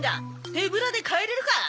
手ぶらで帰れるか！